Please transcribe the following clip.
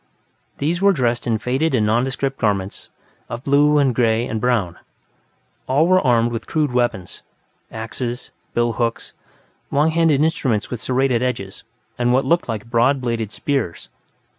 These were dressed in faded and nondescript garments of blue and gray and brown; all were armed with crude weapons axes, bill hooks, long handled instruments with serrated edges, and what looked like broad bladed spears.